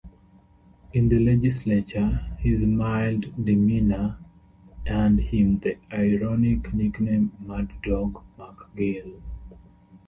In the legislature, his mild demeanour earned him the ironic nickname "Mad Dog McGill".